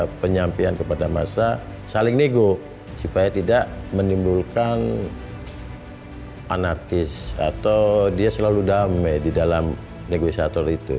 ketika penyampaian kepada massa saling nego supaya tidak menimbulkan anarkis atau dia selalu damai di dalam negosiator itu